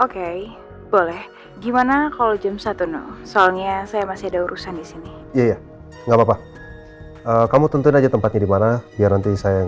kalau waktu ini pak bobby balance